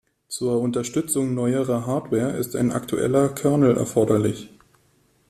Zur Unterstützung neuerer Hardware ist ein aktueller Kernel erforderlich.